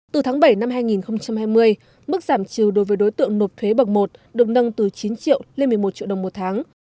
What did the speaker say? từ tháng bảy năm hai nghìn hai mươi mức giảm trừ đối với đối tượng nộp thuế bậc một được nâng từ chín triệu lên một mươi một triệu đồng một tháng